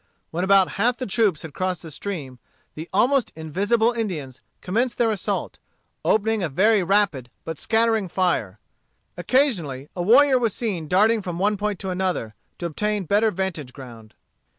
When about half the troops had crossed the stream, the almost invisible Indians commenced their assault, opening a very rapid but scattering fire. Occasionally a warrior was seen darting from one point to another, to obtain better vantage ground.